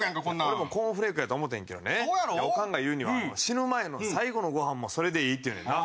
俺もコーンフレークやと思ってんけどねオカンが言うには死ぬ前の最後のご飯もそれでいいって言うねんな。